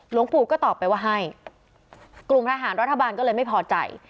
หลวงปู่ก็ตอบไปว่าให้กลุ่มทหารรัฐบาลก็เลยไม่พอใจ